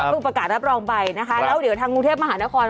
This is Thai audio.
ประกาศรับรองไปนะคะแล้วเดี๋ยวทางกรุงเทพมหานคร